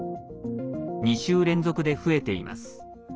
２週連続で増えています。